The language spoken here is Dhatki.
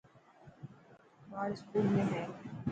ٻاڙ اسڪول ۾ هي.